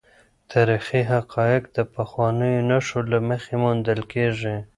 تاریخي حقایق د پخوانیو نښو له مخې موندل کیږي.